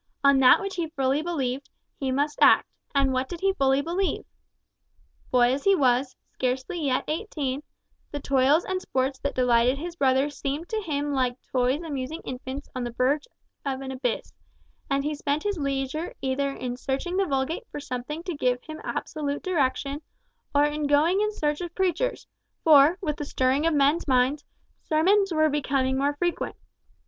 On that which he fully believed, he must act, and what did he fully believe? Boy as he was—scarcely yet eighteen—the toils and sports that delighted his brother seemed to him like toys amusing infants on the verge of an abyss, and he spent his leisure either in searching in the Vulgate for something to give him absolute direction, or in going in search of preachers, for, with the stirring of men's minds, sermons were becoming more frequent.